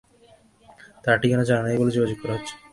তার ঠিকানা জানা নেই বলে যোগাযোগ করা হচ্ছে না।